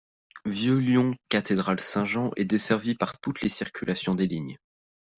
Vieux Lyon - Cathédrale Saint-Jean est desservie par toutes les circulations des lignes.